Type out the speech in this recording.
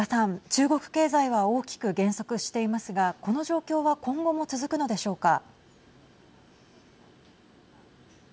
中国経済は大きく減速していますがこの状況は今後も続くのでしょうか。